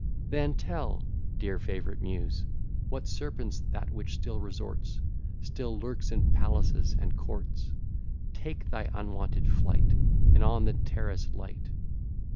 VIII Then tell, dear favourite Muse! What serpent's that which still resorts, Still lurks in palaces and courts? Take thy unwonted flight, And on the terrace light.